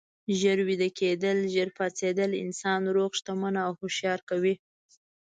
ژر ویده کیدل، ژر پاڅیدل انسان روغ، شتمن او هوښیار کوي.